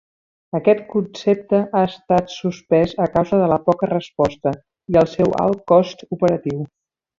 Aquest concepte ha estat sospès a causa de la poca resposta i el seu alt cost operatiu.